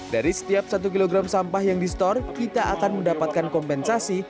dari setiap satu kilogram sampah yang di store kita akan mendapatkan kompensasi